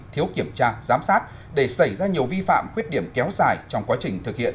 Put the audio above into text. thiếu kiểm tra giám sát để xảy ra nhiều vi phạm khuyết điểm kéo dài trong quá trình thực hiện